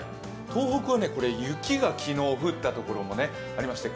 東北は雪が昨日降ったところもありまして